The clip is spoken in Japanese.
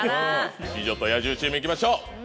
美女と野獣チーム行きましょう。